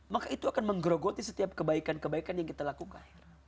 maka itu akan menggerogoti setiap kebaikan kebaikan yang kita lakukan